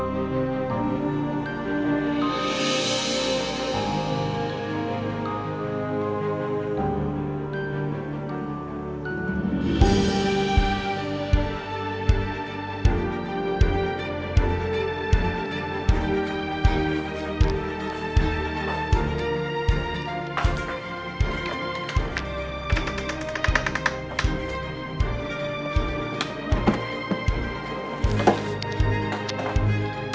terima kasih andien